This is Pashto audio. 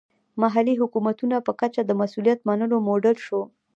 محلي حکومتونو په کچه د مسوولیت منلو موډل شو.